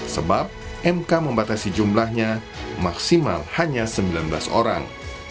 sebab mk membatasi jumlahnya maksimal hanya sembilan belas orang